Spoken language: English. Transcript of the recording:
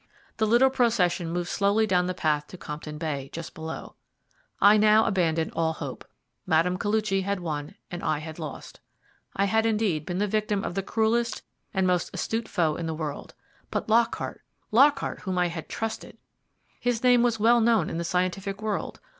The little procession moved slowly down the path to Compton Bay, just below. I now abandoned all hope. Mme. Koluchy had won, and I had lost. I had, indeed, been the victim of the cruellest and the most astute foe in the world. But Lockhart Lockhart, whom I had trusted! His name was well known in the scientific world.